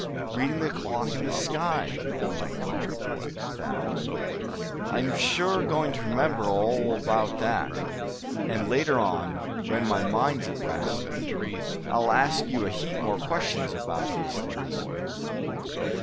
Reading the clock in the sky, you might call it, Thad. I'm sure going to remember all about that; and later on, when my mind's at rest, I'll ask you a heap more questions about these things.